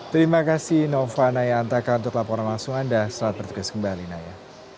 terima kasih nova naya antaka untuk laporan langsung anda selamat bertugas kembali naya